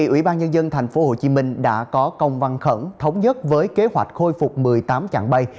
ủy ban nhân dân tp hcm đã có công văn khẩn thống nhất với kế hoạch khôi phục một mươi tám chặng bay